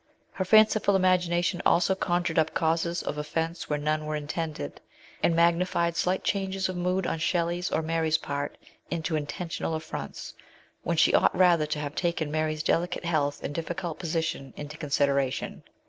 Her fanciful imagination also conjured up causes of offence where none were intended, and magnified slight changes of mood on Shelley's or Mary's part into intentional affronts, when she ought rather to have taken Mary's delicate health and difficult position into consideration.